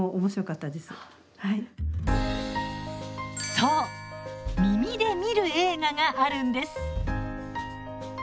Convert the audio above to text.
そう「耳で観る映画」があるんです。